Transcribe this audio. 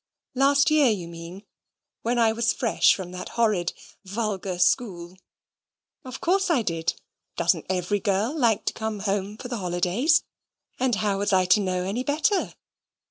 "Last year you mean, when I was fresh from that horrid vulgar school? Of course I did. Doesn't every girl like to come home for the holidays? And how was I to know any better?